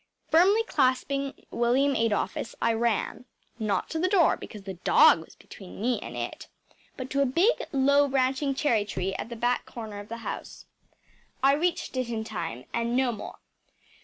Firmly clasping William Adolphus, I ran not to the door, because the dog was between me and it, but to a big, low branching cherry tree at the back corner of the house. I reached it in time and no more.